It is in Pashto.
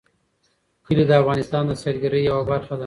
کلي د افغانستان د سیلګرۍ یوه برخه ده.